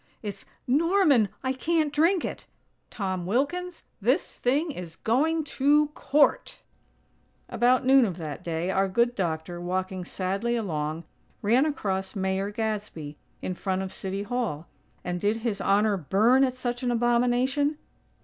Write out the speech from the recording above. It's 'Norman! I can't drink it'! Tom Wilkins, this thing is going to court!!" About noon of that day, our good doctor, walking sadly along, ran across Mayor Gadsby, in front of City Hall; and did His Honor "burn" at such an abomination?